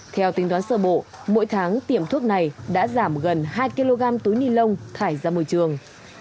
theo tính đoán sơ bộ mỗi tháng tiệm thuốc này đã giảm gần hai kg túi ni lông thải ra môi trường